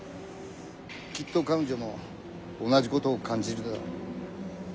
きっと彼女も同じことを感じるだろう。